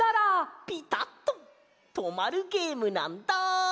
ピタッととまるゲームなんだ。